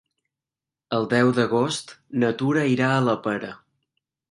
El deu d'agost na Tura irà a la Pera.